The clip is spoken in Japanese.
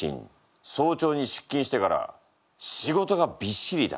早朝に出勤してから仕事がびっしりだ。